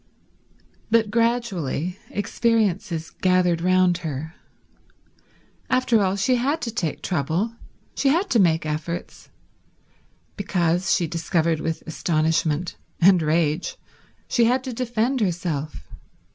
But gradually experiences gathered round her. After all, she had to take trouble, she had to make efforts, because, she discovered with astonishment and rage, she had to defend herself.